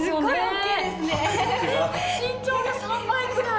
身長の３倍くらい。